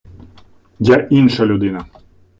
Я інша людина.